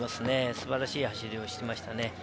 素晴らしい走りをしていましたね。